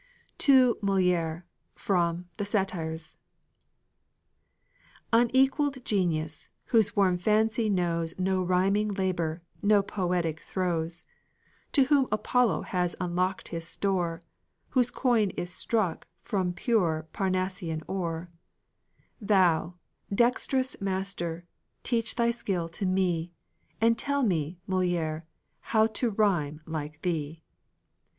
TO MOLIÈRE From 'The Satires' Unequaled genius, whose warm fancy knows No rhyming labor, no poetic throes; To whom Apollo has unlocked his store; Whose coin is struck from pure Parnassian ore; Thou, dextrous master, teach thy skill to me, And tell me, Molière, how to1 rhyme like thee!